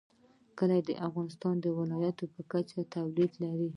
کلي د افغانستان د ولایاتو په کچه توپیر لري.